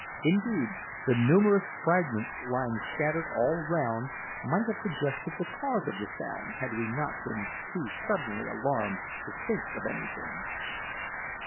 Indeed, the numerous fragments lying scattered all round might have suggested the cause of the sound had we not been too suddenly alarmed to think of anything.